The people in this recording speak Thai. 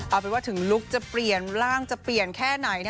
เอาเป็นว่าถึงลุคจะเปลี่ยนร่างจะเปลี่ยนแค่ไหน